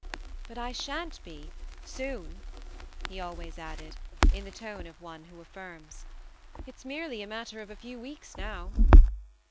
" But I shan't be soon !" he always added, in the tone of one who affirms. " It's merely a matter of a few weeks now."